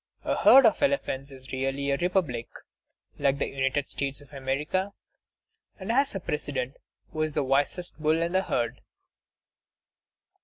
A herd of elephants is really a republic, like the United States of America, and has a President, who is the wisest bull in the herd.